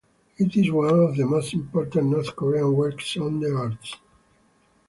It is one of the most important North Korean works on the arts.